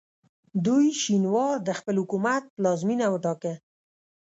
دوی شینوار د خپل حکومت پلازمینه وټاکه.